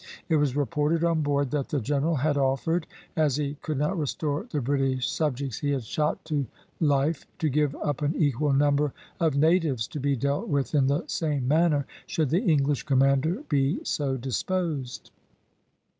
It was reported on board that the general had offered, as he could not restore the British subjects he had shot to life, to give up an equal number of natives to be dealt with in the same manner, should the English commander be so disposed.